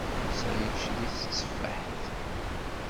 Yettεic deg teteffaḥt.